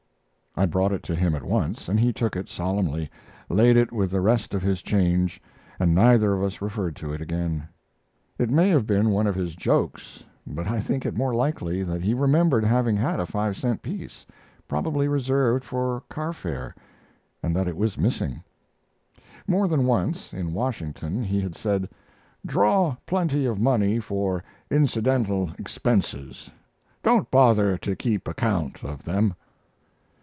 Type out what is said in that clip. I brought it to him at once, and he took it solemnly, laid it with the rest of his change, and neither of us referred to it again. It may have been one of his jokes, but I think it more likely that he remembered having had a five cent piece, probably reserved for car fare, and that it was missing. More than once, in Washington, he had said: "Draw plenty of money for incidental expenses. Don't bother to keep account of them."